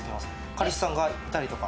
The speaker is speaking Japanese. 彼氏さんがいたりとか？